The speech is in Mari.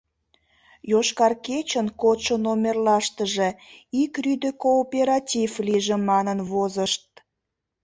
«Йошкар кечын» кодшо номерлаштыже ик рӱдӧ кооператив лийже манын возышт.